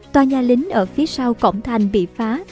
tòa nhà lính ở phía sau cổng thành bị phá